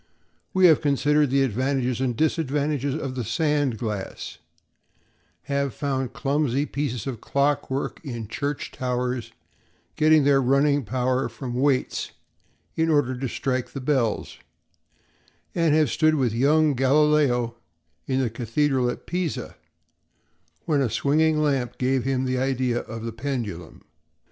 We have considered the advantages and disadvantages of the sand glass, have found clumsy pieces of clock work in church towers, getting their running power from weights, in order to strike the bells, and have stood with young Galileo in the Cathedral at Pisa, when a swinging lamp gave him the idea of the pendulum.